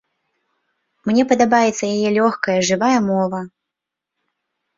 Мне падабаецца яе лёгкая, жывая мова.